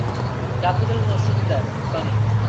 Capital notion that — funny.